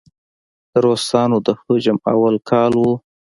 د روسانو د هجوم اول کال و.